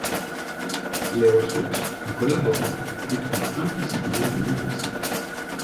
Les ressources, en collaborant, décrivent implicitement de nouveaux cycles.